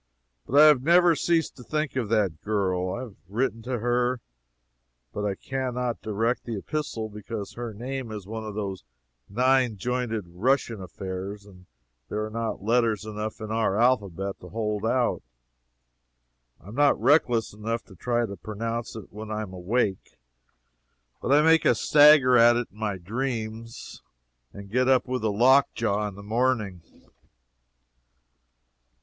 But I have never ceased to think of that girl. I have written to her, but I can not direct the epistle because her name is one of those nine jointed Russian affairs, and there are not letters enough in our alphabet to hold out. I am not reckless enough to try to pronounce it when I am awake, but I make a stagger at it in my dreams, and get up with the lockjaw in the morning.